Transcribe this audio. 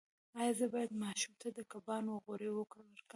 ایا زه باید ماشوم ته د کبانو غوړي ورکړم؟